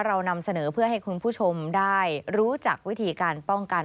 เรานำเสนอเพื่อให้คุณผู้ชมได้รู้จักวิธีการป้องกัน